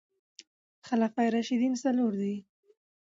خلفاء راشدين څلور دي